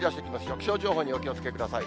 気象情報にお気をつけください。